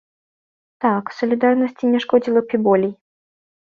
Так, салідарнасці не шкодзіла б і болей.